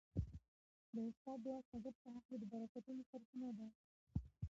د استاد دعا د شاګرد په حق کي د برکتونو سرچینه ده.